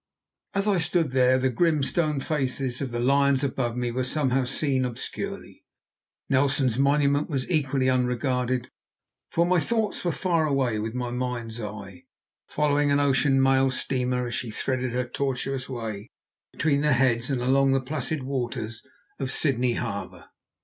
As I stood there the grim, stone faces of the lions above me were somehow seen obscurely, Nelson's monument was equally unregarded, for my thoughts were far away with my mind's eye, following an ocean mail steamer as she threaded her tortuous way between the Heads and along the placid waters of Sydney Harbour.